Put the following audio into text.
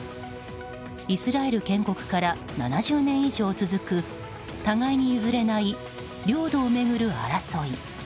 イスラエル建国から７０年以上続く互いに譲れない領土を巡る争い。